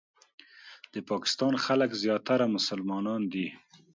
د پاکستان خلک زیاتره مسلمانان دي.